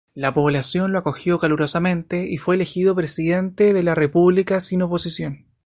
La población lo acogió calurosamente y fue elegido Presidente de la República sin oposición.